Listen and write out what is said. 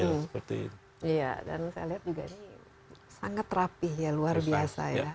dan saya lihat ini sangat rapih ya luar biasa ya